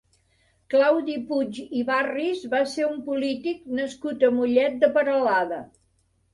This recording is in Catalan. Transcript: Claudi Puig i Barris va ser un polític nascut a Mollet de Peralada.